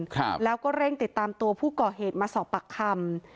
ครับแล้วก็เร่งติดตามตัวผู้ก่อเหตุมาสอบปากคำ